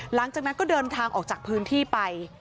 หลังจากนั้นก็เดินทางออกจากพื้นที่ไป